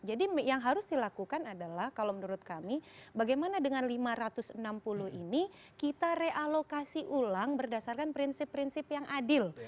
jadi yang harus dilakukan adalah kalau menurut kami bagaimana dengan lima ratus enam puluh ini kita realokasi ulang berdasarkan prinsip prinsip yang adil